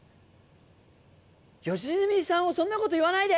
「良純さんをそんな事言わないで！」